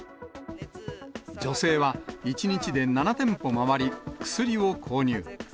女性は１日で７店舗回り、薬を購入。